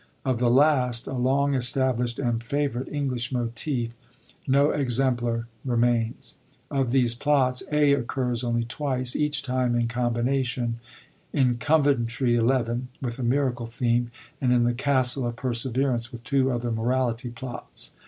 Of the last, a long establisht and favorite English motif , no exemplar renaains.' Of these plots (a) occiu's only twice, each time in combination : in Coventry XL with a Miracle theme, and in the Castle of Perseverance with two other Morality plots.